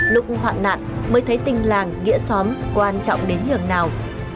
lúc hoạn nạn mới thấy tình lang nghĩa xóm quan trọng đến nhường nào